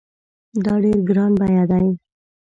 دا ډېر ګران بیه دی